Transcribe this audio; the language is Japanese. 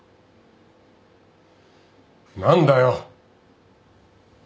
何だよ。